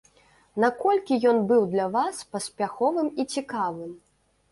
Наколькі ён быў для вас паспяховым і цікавым?